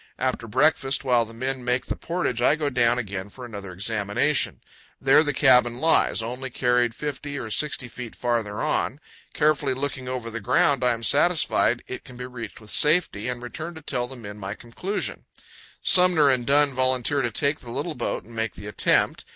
After breakfast, while the men make the portage, I go down again for another examination, There the cabin lies, only carried 50 or 60 feet farther on. Carefully looking over the ground, I am satisfied that it can be reached with safety, and return to tell the men my conclusion. Sumner and Dunn volunteer to take the little boat and make the attempt.